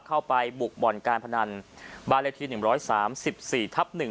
เข้าไปบุกบ่อนการพนันบาเลธีหนึ่งร้อยสามสิบสี่ทับหนึ่ง